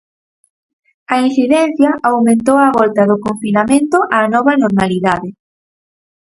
A incidencia aumentou á volta do confinamento á "nova normalidade".